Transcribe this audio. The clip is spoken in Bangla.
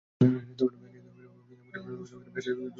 আর খুনি আমাদের টুপি পরিয়ে চলে গেলো।